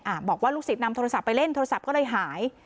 บอกว่าลูกศิษย์นำโทรศัพท์ไปเล่นโทรศัพท์ก็เลยหาย